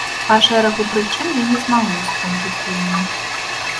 Па шэрагу прычын я не змагу скончыць гульню.